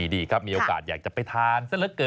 ดีครับมีโอกาสอยากจะไปทาน